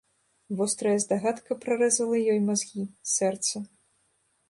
Вострая здагадка прарэзала ёй мазгі, сэрца.